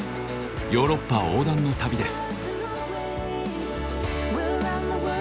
ヨーロッパ横断の旅です。